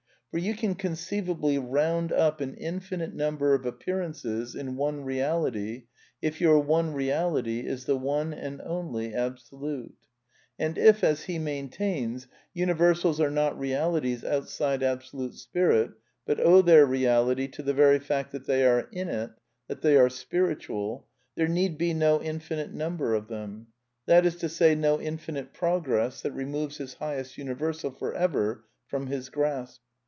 For you can conceivably round up an infinite number of appearances in one Reality if your one reality is the one and only Absolute. And if, as he maintains, universals are not realities outside Absolute Spirit, but owe their reality to the very fact that they are in it, that they are spiritual, there need be no infinite number of them; that is to say, no infinite progress that removes his highest universal for ever from his grasp.